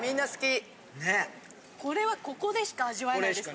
・これはここでしか味わえないですね・